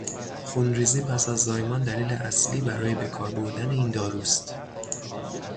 خونریزی پس از زایمان دلیل اصلی برای به کار بردن این دارو است.